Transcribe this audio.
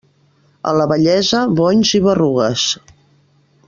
A la vellesa, bonys i berrugues.